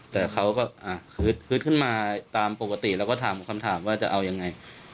แต่เขาก็ฮึดขึ้นมาตามปกติแล้วก็ถามคำถามว่าจะเอายังไง